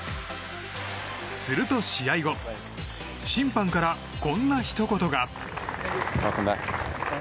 すると試合後審判からこんなひと言が。